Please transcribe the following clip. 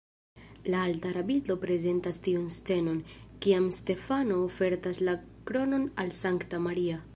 La altara bildo prezentas tiun scenon, kiam Stefano ofertas la kronon al Sankta Maria.